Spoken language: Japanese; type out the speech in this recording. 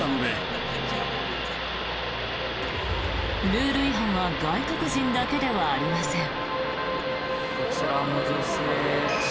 ルール違反は外国人だけではありません。